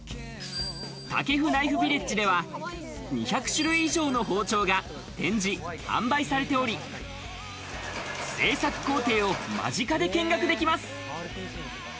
タケフナイフビレッジでは、２００種類以上の包丁が展示・販売されており、製作工程を間近で見学できます。